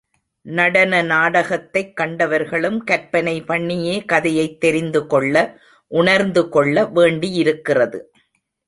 நடன நாடகத்தைக் கண்டவர்களும் கற்பனை பண்ணியே கதையைத் தெரிந்துகொள்ள, உணர்ந்து கொள்ள வேண்டியிருக்கிறது.